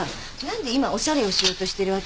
何で今おしゃれをしようとしてるわけ？